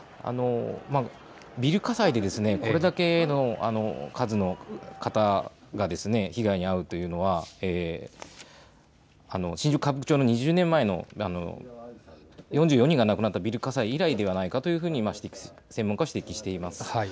ビル火災でこれだけの数の方が被害に遭うというのは新宿歌舞伎町の２０年前の４４人が亡くなったビル火災以来ではないかと専門家は指摘しています。